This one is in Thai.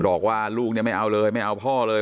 บอกว่าลูกเนี่ยไม่เอาเลยไม่เอาพ่อเลย